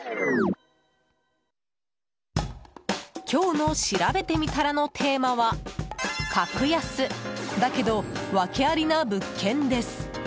今日のしらべてみたらのテーマは格安だけど訳ありな物件です。